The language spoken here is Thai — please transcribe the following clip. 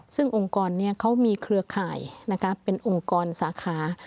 ซึ่งองค์กรเขามีเครือข่ายเป็นองค์กรสาขา